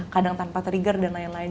kadang tanpa trigger dan lain lain